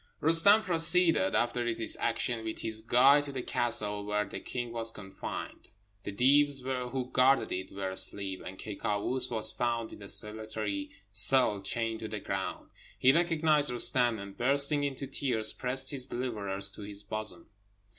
Roostem proceeded, after this action, with his guide to the castle where the king was confined. The Deevs who guarded it were asleep, and Ky Kâoos was found in a solitary cell, chained to the ground. He recognised Roostem, and bursting into tears, pressed his deliverer to his bosom.